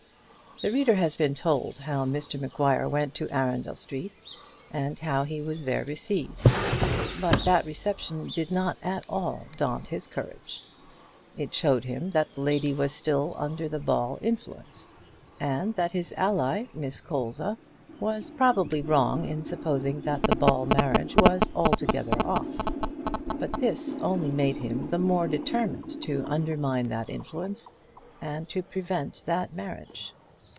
The reader has been told how Mr Maguire went to Arundel Street, and how he was there received. But that reception did not at all daunt his courage. It showed him that the lady was still under the Ball influence, and that his ally, Miss Colza, was probably wrong in supposing that the Ball marriage was altogether off. But this only made him the more determined to undermine that influence, and to prevent that marriage.